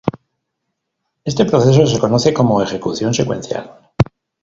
Este proceso se conoce como ejecución secuencial.